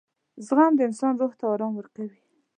• زغم د انسان روح ته آرام ورکوي.